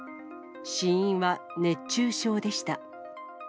死因は熱中症でした。